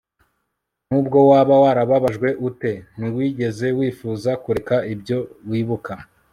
nubwo waba warababajwe ute, ntiwigeze wifuza kureka ibyo wibuka